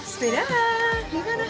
sepeda di mana